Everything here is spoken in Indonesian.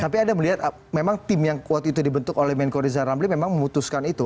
tapi anda melihat memang tim yang kuat itu dibentuk oleh menko riza ramli memang memutuskan itu